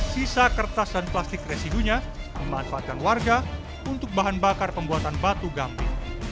sisa kertas dan plastik residunya memanfaatkan warga untuk bahan bakar pembuatan batu gamping